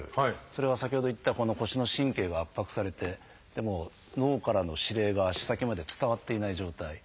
それは先ほど言った腰の神経が圧迫されて脳からの指令が足先まで伝わっていない状態。